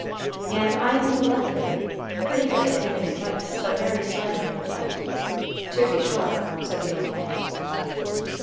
"And I am the left wing, pretty good at giving advice, but very slender in a fight." "To be sure," said the old man.